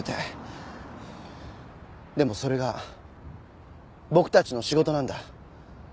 でもそれが僕たちの仕事なんだ。